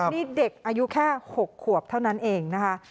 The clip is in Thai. นี่เด็กอายุแค่๖ขวบเท่านั้นเองนะคะ